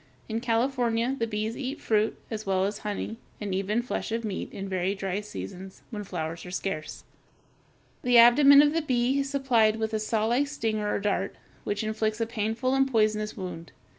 In California, the bees eat fruit as well as honey, and even flesh or meat, in very dry seasons, when flowers are scarce. The abdomen of the bee (Fig. 249) is supplied with a sawlike stinger or dart (Fig. 250) which inflicts a painful and poisonous wound.